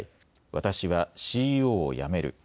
私はＣＥＯを辞める。